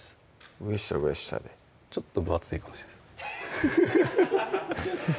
上下上下でちょっと分厚いかもしれないです